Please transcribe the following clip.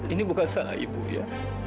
ini bukan salah ibu ya